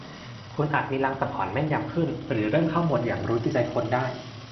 คุณอาจมีลางสังหรณ์แม่นยำขึ้นหรือเริ่มเข้าโหมดหยั่งรู้จิตใจคนได้